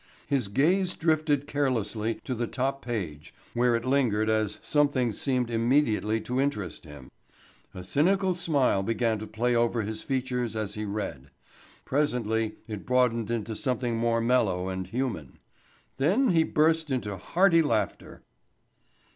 His gaze drifted carelessly to the top page where it lingered as something seemed immediately to interest him. A cynical smile began to play over his features as he read. Presently it broadened into something more mellow and human. Then he burst into hearty laughter.